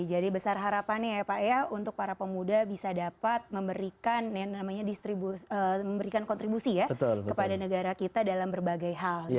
jadi besar harapan ya pak ea untuk para pemuda bisa dapat memberikan kontribusi ya kepada negara kita dalam berbagai hal